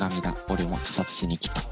俺も自殺しに来た。